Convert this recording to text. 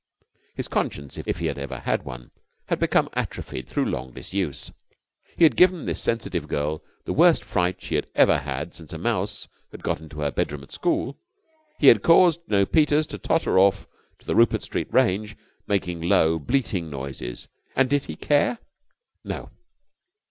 His conscience, if he had ever had one, had become atrophied through long disuse. He had given this sensitive girl the worst fright she had had since a mouse had got into her bedroom at school. He had caused Jno. Peters to totter off to the Rupert Street range making low, bleating noises. And did he care? No!